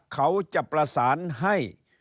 เขาจะประสานให้